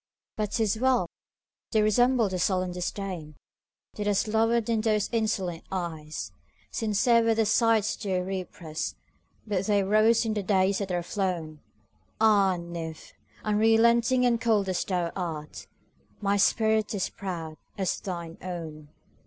But 't is well!—they resemble the sullen disdainThat has lowered in those insolent eyes. Sincere were the sighs they represt, But they rose in the days that are flown! Ah, nymph! unrelenting and cold as thou art, My spirit is proud as thine own!